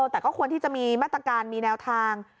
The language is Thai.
แต่ก็ควรที่จะมีมาตรการมีแนวทาง